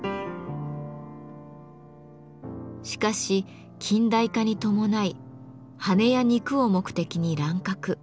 しかし近代化に伴い羽や肉を目的に乱獲。